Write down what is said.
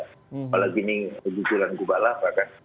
kalaulah ini kejujuran kubalap